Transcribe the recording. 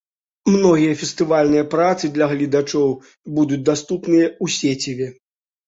Многія фестывальныя працы для гледачоў будуць даступныя ў сеціве.